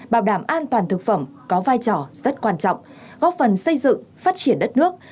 bảo đảm an toàn thực phẩm có vai trò rất quan trọng góp phần xây dựng phát triển đất nước